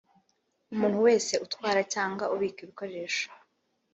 Umuntu wese utwara cyangwa ubika ibikoresho